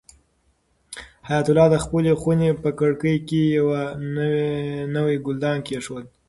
حیات الله د خپلې خونې په کړکۍ کې یو نوی ګلدان کېښود.